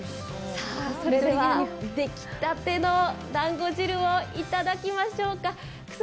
さあ、それでは出来たてのだんご汁を頂きましょうか。